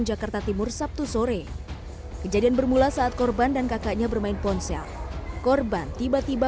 jakarta timur sabtu sore kejadian bermula saat korban dan kakaknya bermain ponsel korban tiba tiba